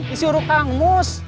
disuruh kang mus